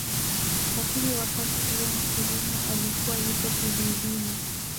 Lakini wakati huo Nkrumah alikuwa yuko kizuizini